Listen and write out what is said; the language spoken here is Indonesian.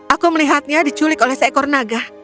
aku melihatnya diculik oleh seekor naga